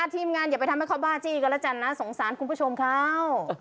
ทีมงานอย่าไปทำให้เขาบ้าจี้กันแล้วกันนะสงสารคุณผู้ชมเขา